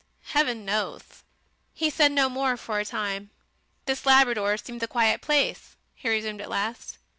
"Heaven knows...." He said no more for a time. "This Labrador seems a quiet place," he resumed at last.